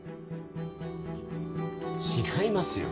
違いますよ